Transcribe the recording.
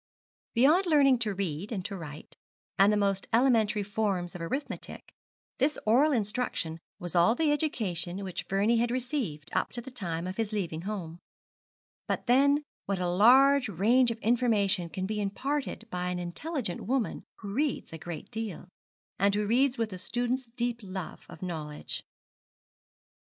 Beyond learning to read and to write, and the most elementary forms of arithmetic, this oral instruction was all the education which Vernie had received up to the time of his leaving home; but then what a large range of information can be imparted by an intelligent woman who reads a great deal, and who reads with the student's deep love of knowledge.